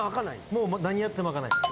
もう何やっても開かないです。